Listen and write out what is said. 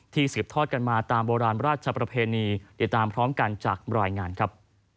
สืบทอดกันมาตามโบราณราชประเพณีติดตามพร้อมกันจากรายงานครับ